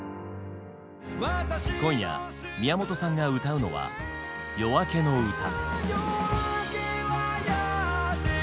今夜宮本さんが歌うのは「夜明けのうた」。